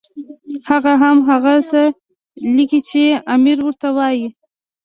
هغه هم هغه څه لیکي چې امیر ورته وایي.